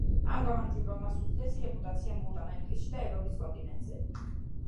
ამ გამარჯვებამ მას უდიდესი რეპუტაცია მოუტანა ინგლისში და ევროპის კონტინენტზე.